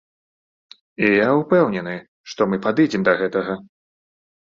І я ўпэўнены, што мы падыдзем да гэтага.